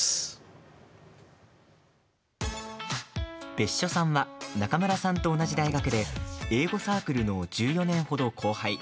別所さんは中村さんと同じ大学で英語サークルの１４年程、後輩。